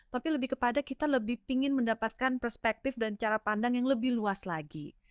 tapi lebih kepada kita lebih ingin mendapatkan perspektif dan cara pandang yang lebih luas lagi